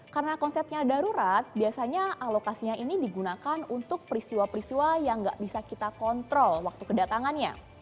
karena konsepnya darurat biasanya alokasinya ini digunakan untuk peristiwa peristiwa yang gak bisa kita kontrol waktu kedatangannya